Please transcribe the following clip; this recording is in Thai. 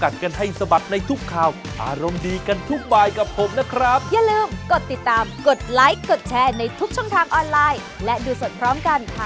จำไหว่กรอบเราก็มีสติดีแล้วนะฮะ